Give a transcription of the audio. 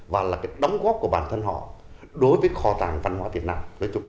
và là cái đóng góp của bản thân họ đối với khò tàng văn hóa việt nam